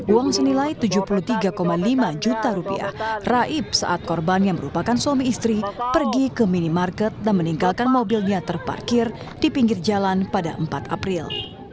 uang senilai tujuh puluh tiga lima juta rupiah raib saat korban yang merupakan suami istri pergi ke minimarket dan meninggalkan mobilnya terparkir di pinggir jalan pada empat april